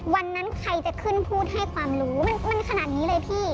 วันนั้นใครจะขึ้นพูดให้ความรู้มันขนาดนี้เลยพี่